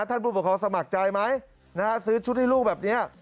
ผู้ปกครองสมัครใจไหมซื้อชุดให้ลูกแบบนี้